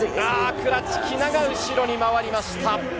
クラチキナが後ろに回りました。